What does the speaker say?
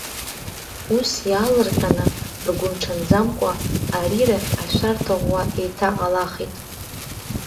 Ус иаалырҟьаны, ргәырҽанӡамкәа, арирахь ашәарҭа ӷәӷәа еиҭаҟалахит.